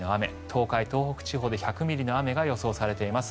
東海、東北地方で１００ミリの雨が予想されています。